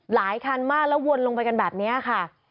หลายคันมากแล้ววนลงไปกันแบบนี้ค่ะ